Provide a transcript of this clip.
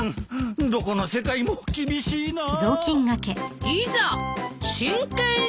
どこの世界も厳しいなあ。